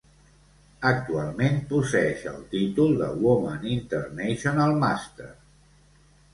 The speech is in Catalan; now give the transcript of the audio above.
Actualment posseeix el títol de "Woman International Master".